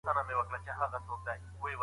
د چا لپاره دا کتابونه لیکل سوي دي؟